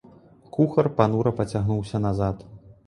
Кухар панура пацягнуўся назад.